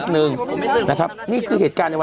กรมป้องกันแล้วก็บรรเทาสาธารณภัยนะคะ